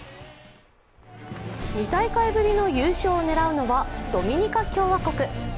２大会ぶりの優勝を狙うのはドミニカ共和国。